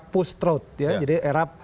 push throat ya jadi era